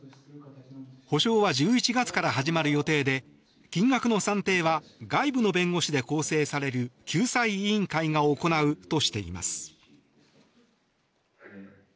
補償は１１月から始まる予定で金額の算定は外部の弁護士で構成される救済委員会が行うとしています。